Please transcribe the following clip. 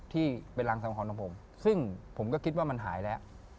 ที่เป็นรังสังหรณ์ของผมซึ่งผมก็คิดว่ามันหายแล้ว